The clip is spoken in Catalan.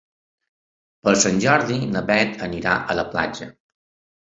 Per Sant Jordi na Beth anirà a la platja.